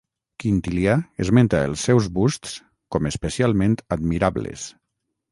Quintilià esmenta els seus busts com especialment admirables.